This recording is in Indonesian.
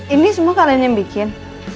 ini semua kalian yang bikin